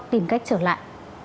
tìm cách trở lại